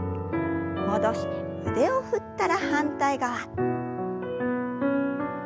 戻して腕を振ったら反対側。